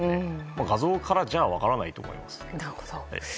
画像からじゃ分からないと思います。